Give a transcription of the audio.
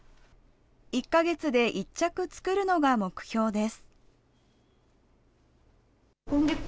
１か月で１着作るのが目標です。